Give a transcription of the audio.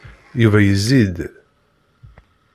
Yuba yezzi-d